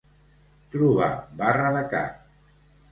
Trobar barra de cap.